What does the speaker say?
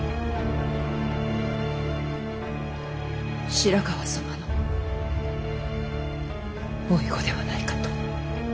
白河様の甥子ではないかと。